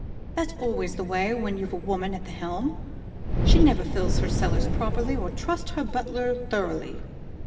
That's always the way when you've a woman at the helm. She never fills her cellars properly, or trusts her butler thoroughly."